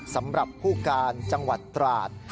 สำหรับผู้การจังหวัดตราด